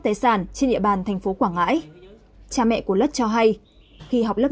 tài sản trên địa bàn thành phố quảng ngãi cha mẹ của lất cho hay khi học lớp